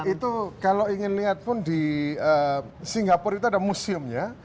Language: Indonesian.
itu kalau ingin lihat pun di singapura itu ada museumnya